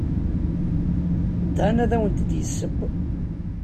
Dan ad awent-d-yesseww.